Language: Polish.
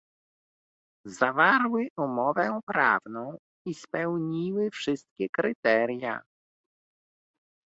Zawarły umowę prawną i spełniły wszystkie kryteria